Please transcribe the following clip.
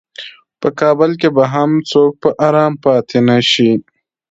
په کابل کې به هم څوک په ارام پاتې نشي.